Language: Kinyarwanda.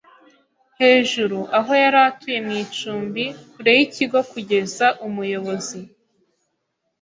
hejuru aho yari atuye mu icumbi kure yikigo kugeza umuyobozi